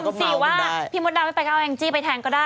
สิว่าพี่มดดำไม่ไปก็เอาแองจี้ไปแทนก็ได้